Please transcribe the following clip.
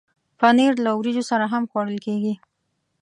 پنېر له وریجو سره هم خوړل کېږي.